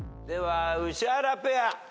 宇治原ペア。